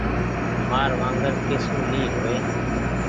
مآر وانگر ڪي سون ني هووي۔